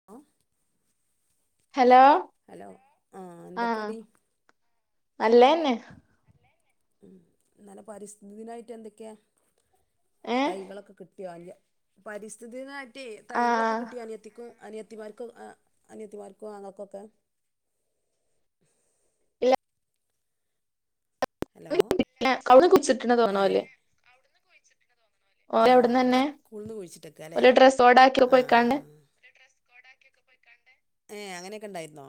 [unintelligible] Hello hello ആഹ് എന്തൊക്കെഡീ നല്ലേന്നെ ഉം ഇന്നലെ പരിസ്ഥിതിദിനായിട്ട് എന്തൊക്കെയാ ഏഹ് തൈകളൊക്കെ കിട്ടിയോ അല്ല പരിസ്ഥിതിദിനവായിട്ടെ തൈകളൊക്കെ ആഹ് കിട്ടിയ അനിയത്തിക്കും അനിയത്തിമാർക്കോ അനിയത്തിമാർക്കും ആങ്ങൾക്കൊക്കെ ഇല്ല ഹലോ അവളെ [unintelligible] അല്ലെ [unintelligible] ആഹ് അവിടന്നന്നെ സ്കൂളന്ന് കുഴിച്ചിട്ടക്ക അല്ലേ ഓല് ഡ്രസ്സ് കോഡ് ആക്കി ആഹ് പോയിക്കാണ്ട് ആഹ് [unintelligible] പോയിക്കാണ്ട് ഏഹ് അങ്ങനെയൊക്കെ ഉണ്ടായിരുന്നോ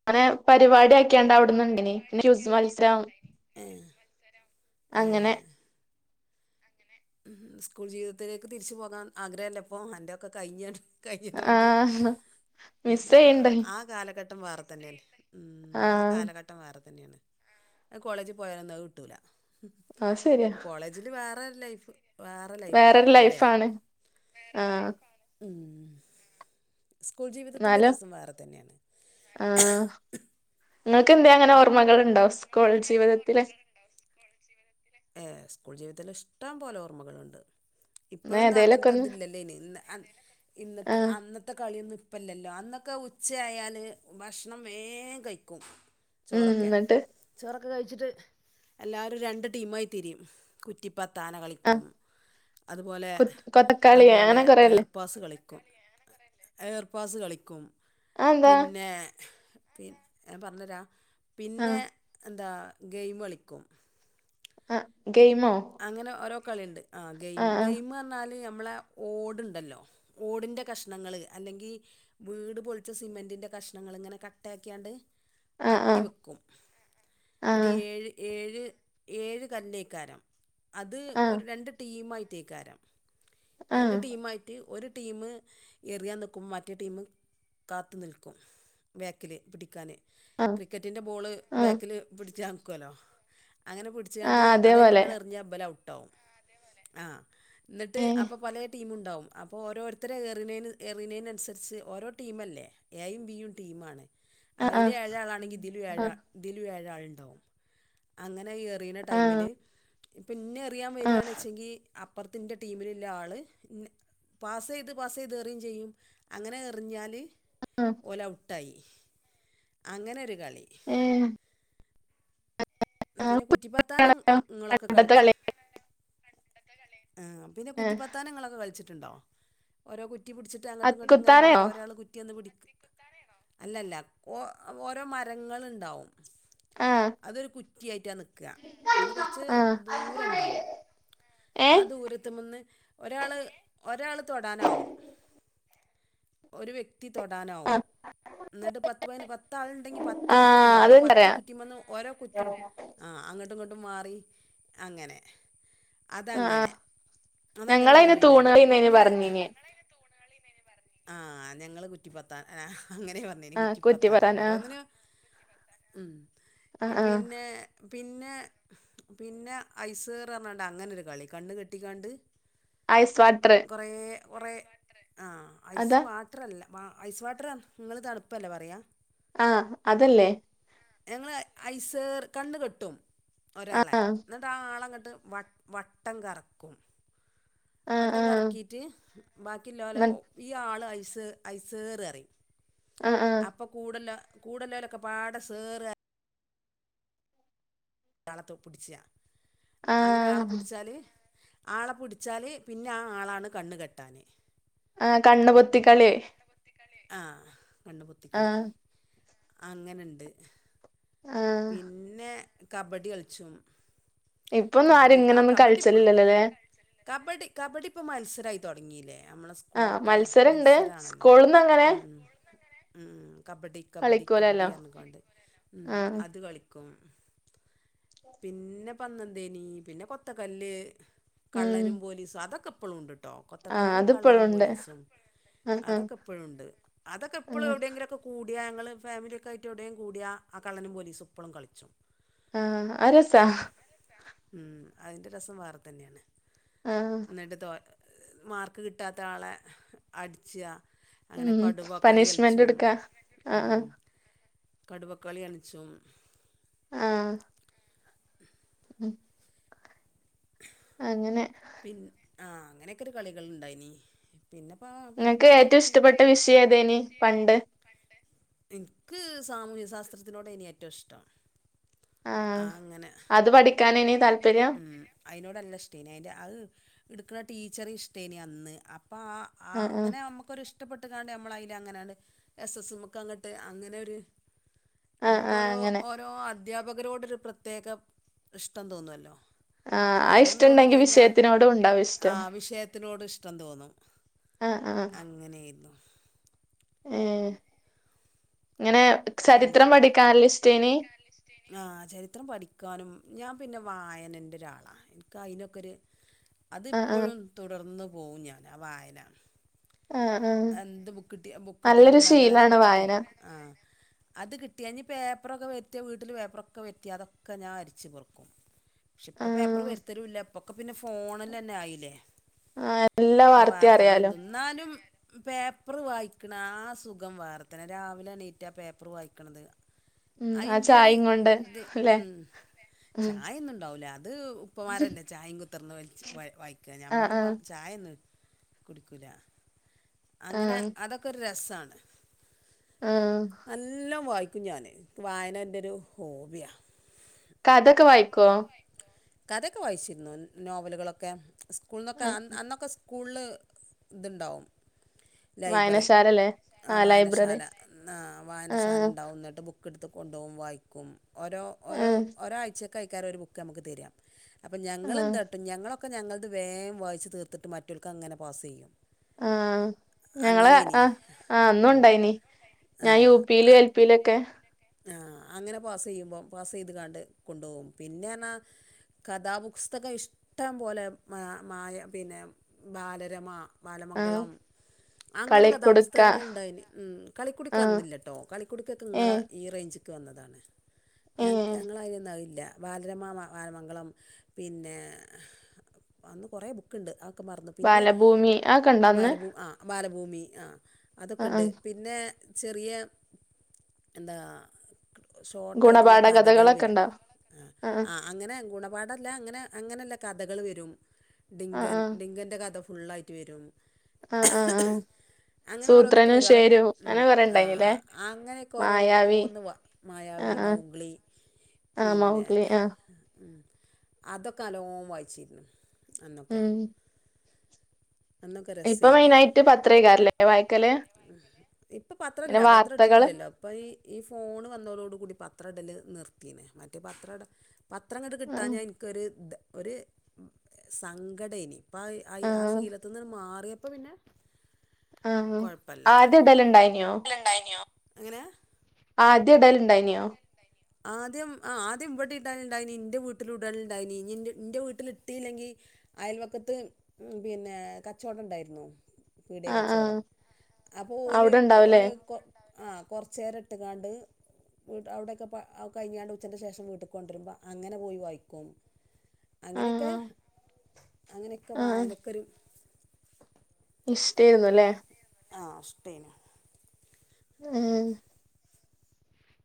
അങ്ങനെ പരിപാടിയായിട് ക്ക ണ്ടവിടുന്നുണ്ടിനി ക്വിസ് മത്സരം ഏ ഏ അങ്ങനെ സ്കൂൾ ജീവിതത്തിലേക്ക് തിരിച്ചു പോകാൻ ആഗ്രഹംല്ലപ്പൊ അന്റെയൊക്കെ കഴിഞ്ഞണ്ട് കഴിഞ്ഞതൊണ്ട് ആഹ് മിസ് ചെയ്യണ്ട് ആ കാലഘട് ട്ടം വേറെതന്നെണ് ഉം ആ ആഹ് കാലഘട്ടം ട്ടം വേറെ തന്നെണ്. കോളേജ് പോയാലോന്നും അത് കിട്ടൂല അത് ശരിയാ ഇതില് വേറെ ഒരു ലൈഫ് വേറെ ലൈഫാ വേറൊരു അല്ലേ ലൈഫാണ് ആഹ് ഉം സ്കൂൾ ജീവിതത്തിൻ്റെ എന്നാലും രസം വേറെ തന്നെയാണ് ആഹ് നിങ്ങൾക്ക് എന്തെ അങ്ങനെ ഓർമ്മകൾ ഉണ്ടോ സ്കൂൾ ജീവിതത്തിലെ ഏഹ് സ്കൂൾ ജീവിതത്തിൽ ഇഷ്ടം പോലെ ഓർമ്മകളുണ്ട് എന്നാ ഇപ്പോഴൊന്നും ഏതേലൊക്കെ അങ്ങനത്തെ ഒന്ന് ഇതില്ലല്ലോ അയ്ന് ഇന്ന ഇന്നത്തെ ആഹ് അന്നത് ത്തെ കളിയൊന്നും ഇപ്പല്ലല്ലോ അന്നൊക്കെ ഉച്ചയായാല് ഭക്ഷണം വേഗം കഴിക്കും ഉം ചോറൊക്കെ എന്നിട്ട് ചോറൊക്കെ കഴിച്ചിട്ട് എല്ലാരും രണ്ട് ടീമായി തിരിയും കുറ്റിപ്പത്താന ആഹ് കളിക്കും അതുപോലെ കൊത്തക്കളി അതുപോലെ അങ്ങനെ എർ കൊറെയില്ലേ പാസ് കളിക്കും ഏർപാസ് കളിക്കും അതെന്താ പിന്നെ പി ഞാൻ പറഞ്ഞരാ പിന്നെ ആഹ് എന്താ ഗെയിമ് കളിക്കും ആ ഗെയിമോ? അങ്ങനെ ഓരോ കളി ഇണ്ട് ആഹ് ഗെയിം ആ ഗെയിം പറഞ്ഞാല് നമ്മളെ ഓടുണ്ടല്ലോ ഓടിന്റെ കഷ്ണങ്ങള് അല്ലെങ്കി വീട് പൊളിച്ച് സിമെന്റിന്റെ കഷ്ണങ്ങൾ ഇങ്ങനെ കട്ടാക്കിയാണ്ട് ആ ആ അട്ടി വെക്കും. ആ എൻട്ട് ഏഴ് ഏഴ് ഏഴ് കല്ലേക്കാരം അത് ആ ആ ഒരു രണ്ട് ടീമായി റ്റെയ്കാരം ആ രണ്ട് ടീമായി ററ്റ് ഒരു ടീമ് എറിയാൻ നിക്കും മറ്റേ ടീമ് കാത്തു നിൽക്കും. ബേക്കില് പിടിക്കാന്. ആ ക്രിക്കറ്റിന്റെ ബോള് ആ ബാക്കിൽ പിടിചാൻ നിക്കുവല്ലോ അങ്ങനെ പിടി ച്ച് ആ കാണ്ട് അതേപോലെ അതയിമക്ക്‌ ആട് എറിഞ്ഞ ഇബല് ഔട്ടാവും ആഹ് എന്നിട്ട് ഏ അപ്പ പലേ ടീമുണ്ടാവും അപ്പോ ഓരോരുത്തരെ ഏറിനേന് എറിനേന് അനുസരിച്ച് ഓരോ ടീം അല്ലേ? എയും ബിയും ടീമാണ്. ആ ആ അയില് ഏഴ്‌ ആളാണെങ്കി ഇതിലും ആ ഏഴ് ഇതിലും ഏഴ് ആള് ഇണ്ടാവും. അങ്ങനെ എറിയീണ ആ ടൈമില് ഇപ്പ ഇന്നെ എറിയാൻ ആ വര് ആണെച്ചെങ്കി അപ്പർത്ത് ഇൻ്റെ ടീമിലില്ലെ ആള് പാസ് ചെയ്ത് പാസ് ചെയ്ത് എറിയും ചെയ്യും അങ്ങനെ എറിഞ്ഞാല് ആഹ്. ഓല് ഔട്ടായി അങ്ങനെ ഒരു കളി. ഏഹ്. പിന്നെ കുറ്റിപ്പത്താനം ഇങ്ങളൊക്കെ കളിച്ച് കളി ആ പിന്നെ ആ കുറ്റിപ്പത്താനങ്ങളൊക്കെ കളിച്ചിട്ടുണ്ടോ? ഓരോ കുറ്റി പിടിച്ചിട്ട് അങ്ങട്ടും ഇങ്ങട്ടും ഇങ്ങനെ അത്തിക്കുത്താനയോ മാറും ഒരാള് കുറ്റിന്ന് പിടിക്കും അല്ല അല്ല ഓ ഓരോ മരങ്ങള് ഇണ്ടാവും ആ അതൊരു കു റ്റി ആയിറ്റാ നിക്ക എന്നിട്ട് കുറച്ച് ആ ദൂരം ഇണ്ടാവും ഏ അത് ഒരുത്തൻ വന്ന് ഒരാള് ഒരാള് തൊടാനാവും. ഒരു വ്യക്തി ആ തൊടാനാവും. എന്നിട്ട് പത്ത് പയിന് പത്താളുണ്ടെങ്കി പത്ത് ആ കുറ്റി ഇണ്ടാവും ആ പത്ത് അതെനിക്കറിയാം കുറ്റീമന്നും ഓരോ കുറ്റിയും ആ ആഹ് അങ്ങട്ടും ഇങ്ങട്ടും മാറി അങ്ങനെ ആ അതങ്ങനെ അതങ്ങനെ ഒരു ഞങ്ങളതിന് കളി തൂണ് ഇണ്ടായിനി കളിന്നേന് പിന്നെ പറഞ്ഞീന് ആഹ് ഞങ്ങള് കുറ്റിപ്പത്താ അങ്ങനെ പർ ന്നിന് ആ കുറ്റി കുറ്റിപ്പത്താനം പറാൻ ആ ഓരോന്നിനും ഉം ആ ആ പിന്നെ പിന്നെ പിന്നെ ഐസേർ പറഞ്ഞാണ്ട് അങ്ങനൊരു കളി കണ്ണ് കെട്ടിക്കാണ്ട് ഐസ് വാട്ട്റ്. കൊറേ കൊറേ ആഹ് അതാ ഐസ് വാ ട്ട്റല്ല വാ ഐസ് വാട്ട്റ് നിങ്ങള് തണുപ്പല്ലേ പറയാ. ആഹ് അതല്ലേ? ഞങ്ങള് ഐസ്ർ കണ്ണ് കെട്ടും ആ ഒരാളെ ആ എന്നിട്ട് ആ ആള് അങ്ങട്ട് വട്ട് വട്ടം കറക്കും. ആ വട്ടം ആ കറക്കീറ്റ് ബാക്കി ലോല് മൻ- ഈ ആള് ഐസ് ഐസേറ് അറിയും. ആ ആ അപ്പോ കൂടൊല്ല കൂടല്ലാരൊക്കെ പാട് സേറ് രാള ത്തോ പുടിച്ചിയാ അങ്ങനെ ആ ആളപ്പുടിച്ചാല് ആള പുടിച്ചാല് പിന്നെ ആ ആളാണ് കണ്ണ് കെട്ടാന് ആഹ് കണ്ണുപൊത്തി കളി. ആഹ് കണ്ണ് പൊത്തിക്കളി ആഹ് കണ്ണുപൊത്തികളി ആഹ് അങ്ങനിണ്ട്. ആഹ് പിന്നെ കബഡി കളിച്ചും. ഇപ്പോന്നും ആരും കബഡി ആ ഇങ്ങനൊന്നും കബഡി ഇപ്പളും കളിച്ചില്ലല്ലോല്ലേ. കബഡി കബഡി ഇപ്പ മത്സരായി തൊടങ്ങീലേ ഞമ്മളെ ആഹ് സ്കൂളിലൊക്കെ മത്സരണ്ട് മത്സരാണല്ലോ സ്കൂൾന്ന് മത്സരണ്ട് അങ്ങനെ ഉം സ്കൂള്ന്നങ്ങനെ ഉം കബഡി കബഡി കളിക്കൂലല്ലോ കബഡിയാർന്ന് കൊണ്ട് ഉം ആഹ് അത് കളിക്കും പിന്നെ പന്തം തേനി പിന്നെ കൊത്ത കല്ല് ഉം കള്ളനും പോലീസും അതൊക്കെ എപ്പളും ഉണ്ട്. ട്ടോ ആഹ് കൊത്തക്കല്ലും കള്ളനും അതിപ്പഴുണ്ട് പോലീസും. ആഹ് ആഹ് അതൊക്കെ എപ്പഴും ഒണ്ട് അതൊക്കെ ഇപ്പളും ആഹ് എവിടേങ്കിലൊക്ക. കൂടിയ ഞങ്ങള് ഫാമിലിയൊക്കെ ആയിട്ട് എവിടേം കൂടിയ ആഹ് കള്ളനും പോലീസും ഇപ്പോളും കളിച്ചും. ആഹ് അര്സാ ഉം അയിൻ്റെ രസം വേറെ തന്നെയാണ് ആഹ് എന്നിട്ട് തോ മാർക്ക് കിട്ടാത്ത ആളെ അടിച്ചാ അങ്ങനെ ഉം കടുവക്കളി അല്ച്ചും പനിഷ്മെന്റ് ഉം എടുക്കാ ഉം ആഹ് കടുവക്കളി അല്ച്ചും. ആഹ് [inaudible] ഉം [inaudible] അങ്ങനെ പിന്ന് ആഹ് അങ്ങനെക്കൊരു കളികൾ ഇണ്ടായിനി. പിന്നെപ്പവം ഇങ്ങക്ക് ഏറ്റവും ഇഷ്ടപ്പെട്ട വിഷേയം ഏതേനി പണ്ട്. പണ്ട് ഇൻക്ക് സാമൂഹിക ശാസ്ത്രത്തിനോടേനി ഏറ്റവും ഇഷ്ടം. ആ ആഹ് അങ്ങനെ അത് പഠിക്കാനേനി താല്പര്യം. അയിനോടല്ല ഇഷ്ടേനി അയിൻ്റെ അവ്വ് എടുക്കണ ടീച്ചർ ഇഷ്ടേനി അന്ന് അപ്പം ആ. ആഹ് അങ്ങനെ ഞമുക്കൊരു ഇഷ്ടപ്പെട്ട് കാണ്ട് ഞമ്മളയിന അങ്ങനാണ്ട് എസ് എസ് മുക്ക് അങ്ങട്ട് അങ്ങനെ ഒരു ആഹ് നമുക്ക് ആഹ് ഓരോ അങ്ങനെ ഓരോ അദ്ധ്യാപകരോട് ഒരു പ്രത്യേകം ഇഷ്ടം തോന്നുവല്ലോ. ആഹ് ആ അങ്ങനെ ഇഷ്ടണ്ടെങ്കി തോന്നിക്കഴിഞ്ഞ വിഷയത്തിനോടും ഉണ്ടാവും വിഷേയത്തിനോട് ഇഷ്ടം ആഹ് വിഷേത്തിനോട് ഇഷ് ഇഷ്ടം തോന്നും ആഹ് അങ്ങനെയേരുന്നു. ഏ ഇങ്ങനെ ചരിത്രം പഠിക്കാല് ഇഷ്ടൈനി. ആ ചരിത്രം പഠിക്കാനും ഞാൻ പിന്നെ വായനന്റെ ഒരാളാ എനിക്ക് അതിനൊക്കെ ഒരു ആഹ് ആഹ് അതിപ്പോഴും തുടർന്ന് പോവും ഞാൻ ആ വായന. ആഹ് ആ എന്ത് ബുക്ക്ട്ടി ബുക്ക് കിട്ടിയാലും നല്ല നല്ല ബുക്ക് കിട്ടി വായന ആഹ് അത് കിട്ടിയാ അനി പേപ്പറൊക്കെ വര്തിയ വീട്ടിൽ പേപ്പറൊക്കെ വര്തി അതൊക്കെ ഞാൻ അരിച്ച് പെറ്ക്കും. പക്ഷെ ഇപ്പൊ ആഹ് പേപ്പർ വരുത്തലൂല്ല ഇപ്പൊക്കെ പിന്നെ ഫോണല് തന്നെ ആയില്ലേ ആഹ് എല്ലാ ഒക്കെ വാർത്തയും അറിയാലോ വാർത്തകളുണ്ട് എന്നാലും പേപ്പറ് വായിക്കണ ആ സുഖം വേറത്തന്നാ രാവിലെ എണീറ്റ് ആ പേപ്പർ വായിക്കണത്. ഉം ആ അതിന്റെ ഒരു ചായയും കൊണ്ട് ഇത് അല്ലെ ഉം ഉം ചായ ഒന്നുംണ്ടാവ്ലല അത്. ഉപ്പമാരല്ലേ ചായയും കുത്തിർന്ന് വലിച്ച് വായിക്കുക ആഹ് ഞമ്മളിപ്പം ആഹ് ചായ ഒന്നും കുടിക്കൂല. അങ്ങനെ ആഹ് അതൊക്കെ ഒരു രസാണ്. ആഹ് നല്ലാം വായിക്കും ഞാൻ വായന എൻ്റെ ഒരു ഹോബിയാണ്. കഥക്കെ വായിക്കോ? കഥയൊക്കെ വായിച്ചിരുന്നു നോവലുകളൊക്കെ സ്കൂള് നിന്നൊക്കെ അന്നൊക്കെ. സ്കൂള്ൽ ഇത്ണ്ടാവും. ലൈബ്രറി വായനശാലല്ലേ ആ ആഹ് ലൈബ്രറി വായനശാല ആ വായനശാല ആഹ് ഉണ്ടാവും എന്നിട്ട് ബുക്ക് ബുക്ക് എടുത്ത് കൊണ്ടുപോകും വായിക്കും ഓരോ ഓരോ ആഹ് ഒരാഴ്ചക്കെ കഴക്കാരം ഒരു ബുക്ക് നമുക്ക് തരാ അപ്പം ആഹ് ഞങ്ങളെന്താ കാട്ടാ ഞങ്ങളൊക്കെ ഞങ്ങളുടെ വേം വായിച്ച് തീർത്തിട്ട് മറ്റൊൽക്ക് അങ്ങനെ പാസ് ചെയ്യും ആഹ് ഞങ്ങളെ അങ്ങനെ ഇനി ആഹ് ആ അന്നും ഉണ്ടായിനി ആ ഞാൻ യു പിയിലും എൽ പിയിലൊക്കെ ആ അങ്ങനെ പാസ് ചെയ്യുമ്പോം പാസ് ചെയ്ത് കണ്ട് കൊണ്ടുപോകും പിന്നെ ന്ന് പറഞ്ഞാ കഥാപുസ്തകം ഇഷ്ടം പോലെ മായ പിന്നെ ബാലരമ ആഹ് ബാലമംഗളം അങ്ങനെ കളിക്കുടുക്ക കഥാപുസ്തകങ്ങൾ ഉണ്ടായതിന് കളിക്കുടുക്ക ആഹ് അന്നില്ല കേട്ടോ കളിക്കുടുക്കൊക്കെ നിങ്ങളെ ഏഹ് ഈ റേഞ്ച്ൽ എക്ക് വന്നതാണ് ഞ ഏഹ് ഞങ്ങളതിലൊന്നും അതില്ല ബാലരമ ബാലമംഗളം പിന്നെ അന്ന് കുറേ ബുക്ക് ബുക്ക് ണ്ട് ആക്കെ മറന്നു പിന്നെ ബാലഭൂമി അതൊക്കെ ഉണ്ടോ അന്ന് ബാലഭൂമി ആ ബാലഭൂമി ആ അതൊക്കെ ആഹ് ഉണ്ട് ആഹ് പിന്ന പിന്നെ ചെറിയ എന്താ ഷോർട്ട് ആയിട്ടുള്ള ഗുണപാഠ കഥകൾ കഥകളൊക്കെ വരും ഉണ്ടോ ആഹ് ആ അങ്ങനെ ഗുണപാടംല്ല അങ്ങനെ അങ്ങനെയുള്ള കഥകൾ വരും ആഹ് ഡിങ്കൻ ആഹ് ഡിങ്കന്റെ കഥ ഫുള്ളായിട്ട് വരും ആഹ് ആഹ് ആ അങ്ങനെ ഓരോന്നൊക്കെ വരും അതൊക്കെ ഉം കൊറേ ഉണ്ടായിനില്ലേ അങ്ങനെയൊക്കെ മായാവി ഓരോന്ന് വ മായാവി ആഹ് ആഹ് മൗഗ്ളി ആഹ് പിന്നെ മൗഗ്ലി ആഹ് അതൊക്കെ നല്ലോം വായിച്ചിരുന്നു അന്നൊക്കെ ഉം അന്നൊക്കെ ഇപ്പൊ രസേന് മെയിനായിട്ട് പത്രേക്കാരല്ലേ വായിക്കല് ഇപ്പൊ പത്രം പിന്നെ ഇല്ല പത്രം വാർത്തകള് ഇടലില്ലല്ലോ അപ്പം ഈ ഈ ഫോണ് വന്നവരോട കൂടി പത്ര ഇടല് നിർത്തിനേ മറ്റേ പത്ര ഇട പത്രം ഇങ്ങട്ട് ആഹ് കിട്ടാഞ്ഞാൽ എനിക്കൊരു ഒരു സങ്കടേനി പ ആയി ആഹ് ശീലം മാറിയപ്പോ പിന്നെ ആഹ് കൊഴപല്ല ആദ്യം ഇടലുണ്ടായിനിയോ എങ്ങനെ ആദ്യം ഇടേൽ ഇണ്ടായിനിയോ ആദ്യം ആ ആദ്യം ഇവിട ഇടലുണ്ടായിനി എന്റെ വീട്ടിലിടാനുണ്ടായിനി എന്റെ വീട്ടിലിട്ടിയില്ലെങ്കിൽ അയൽപക്കത്ത് പിന്നെ കച്ചവടം ഉണ്ടായിരുന്നു പീടിയ ആഹ് ആഹ് കച്ചവടം അപ്പോൾ ഓല് അവിടെ ഉണ്ടാവുല്ലേ ഓല് കൊ ആഹ് കൊറച്ചു നേരം ഇട്ട് കാണ്ട് അവിടൊക്കെ കഴിഞ്ഞാണ്ട് ഉച്ചന്റെ ശേഷം വീട്ടി കൊണ്ടുവരുമ്പോ അങ്ങനെ പോയി വായിക്കും അങ്ങനെയൊക്കെ ആഹ് അങ്ങനെയൊക്കെ ആഹ് വായനക്കൊരു ഇഷ്ടെരുന്നു ല്ലേ ആ ഇഷ്ട്ടേനു ഏ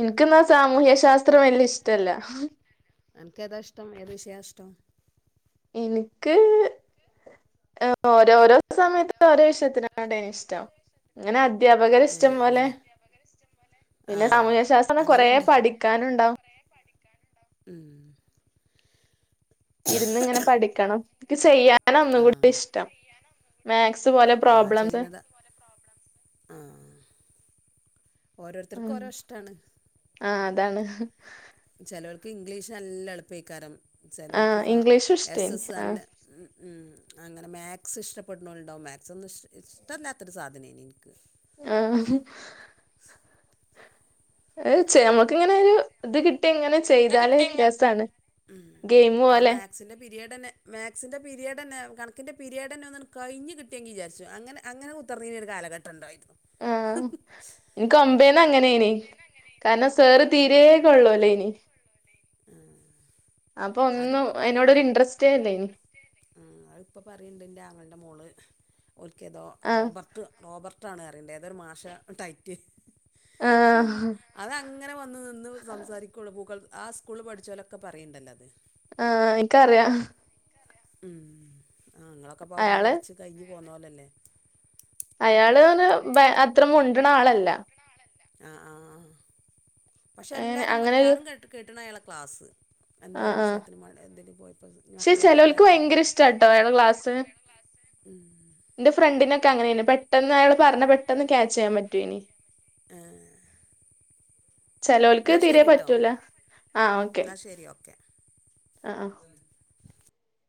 എനിക്കെന്നാ സാമൂഹ്യ ശാസ്ത്രം വല്യ ഇഷ്ടല്ല അനക്കെതായിഷ്ടം ഏത് വിഷയാ ഇഷ്ടം എനിക്ക് ഓരോരോ സമയത്ത് ഓരോ വിഷയത്തിനോട് എനി ഇഷ്ടവും ഇങ്ങനെ അധ്യാപകരെ ഏ ഇഷ്ടം പോലെ അങ്ങനെ പിന്നെ ആഹ് സാമൂഹ്യ ശാസ്ത്രം കൊറേ അങ്ങനെയുണ്ട് പഠിക്കാനും ഉണ്ടാവും ഉം ഇരുന്ന് ഇങ്ങനെ പഠിക്കണം ഇന്ക്ക് ചെയ്യാ ഞ്ഞാൽ ഒന്നും കൂടി ആഹ് ഇഷ്ടം മാത്‍സ് പോലെ ആ പ്രോബ്ലംസ് ചെയ്യണതാ ആഹ് ഓരോരുത്തർക്കും ഉം ഓരോ ഇഷ്ടാണ് ആ അതാണ് ചെലോൾക്ക് ഇംഗ്ലീഷ് നല്ല എളുപ്പയിക്കാരും ആ ചെലോൾക്ക് ഇംഗ്ലീഷും എസ് ഇഷ്ടേനി എസ് ആ നല്ല ഉ ഉ അങ്ങനെ മാത്‍സ് ഇഷ്ടപ്പെടുന്നുണ്ടാവും മാത്‍സ് ഒന്നും ഇഷ്ട ഇഷ്ടമല്ലാത്തൊരു സാധനെയിന് എനിക്ക് ആഹ് ഏ ചെ നമുക്കിങ്ങനെ ഒരു ഇത് കിട്ടി ഇങ്ങനെ ചെയ്താല് രസാണ് ഗെയിമു പോലെ മാത്‍സ്ന്റെ പീരീഡ്ന്നെ മാത്‍സ്ന്റെ പീരീഡന്നെ കണക്കിന്റെ പിരിയ്ഡ്തന്ന ഒന്ന് കഴിഞ്ഞ് കിട്ടിയങ്കിൽ വിചാരിച്ചു അങ്ങനെ അങ്ങനെ മുതിർന്നോ ഒരു കാലഘട്ടം ഉണ്ടായിരുന്നു ആഹ് എനക്കൊമ്പേന്ന് അങ്ങനെനി കാരണം സാറ് തീരെ കൊള്ളൂല്ലേനി അപ്പൊ ഒന്നും അയിനോടൊരു ഇന്റെരെസ്റ്റ് ഇല്ലെനു ആ അത് ഇപ്പോം പറയുന്നുണ്ട് എൻ്റെ ആങ്ങളുടെ മോള് ഒരിക്കേതോ ആ റോബർട്ട് റോബർട്ടാണ് കറിയണ്ട് ഏതൊരു മാഷ ടൈറ്റ് ആ ആഹ് അതങ്ങനെ വന്ന് നിന്ന് സംസാരിക്കുകയുള്ളൂ ഗൂഗൾ ആ സ്കൂളിൽ പഠിച്ചോലൊക്കെ പറയണ്ടല്ലോ അത് ആ എനിക്കറിയാം മ്മ് ആ നിങ്ങളൊക്കെ അപ്പള് അവിടുന്ന് അയാള് പഠിച്ച് കയിഞ്ഞ് പോന്നോലല്ലേ അയാള് അത്ര മുണ്ടണ ആളല്ല ആ ആ ആ പക്ഷെ അങ്ങനെ എല്ലാരും അങ്ങനൊരു ഞാനും കേ കേട്ടണ് അയാളെ ക്ലാസ് എന്തോ ഒരു ആഹ് ആഹ് വിഷയത്തിന് എന്തിനോ പോയപ്പോ മക്കളൊക്കെ കാര്യത്തിന് പോയപ്പോ ന്ത്‌ ക്ലാസ് മ്മ് എന്റെ ഫ്രണ്ടിനൊക്കെ അങ്ങനെയിന് പെട്ടെന്ന് അയാൾ പറഞ്ഞ പെട്ടെന്ന് ക്യാച്ച് ചെയ്യാൻ പറ്റുവേനി ആഹ് ചെലോൽക്ക് തീരെ പറ്റൂല ന്നാ ശരി ഓക്കെ ആ ആ